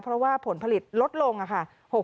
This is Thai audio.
เพราะว่าผลผลิตลดลงค่ะ